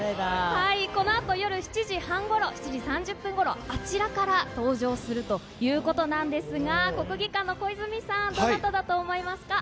このあと夜７時半ごろ、７時３０分ごろ、あちらから登場するということなんですが、国技館の小泉さん、どなただと思いますか。